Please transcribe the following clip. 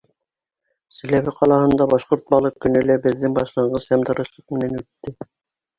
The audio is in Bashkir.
Силәбе ҡалаһында башҡорт балы көнө лә беҙҙең башланғыс һәм тырышлыҡ менән үтте.